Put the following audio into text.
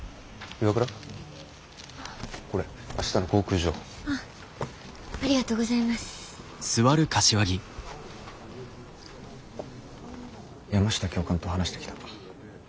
山下教官と話してきた。